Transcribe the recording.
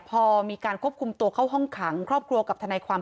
พอมีการควบคุมตัวเข้าห้องขังครอบครัวกับทนายความ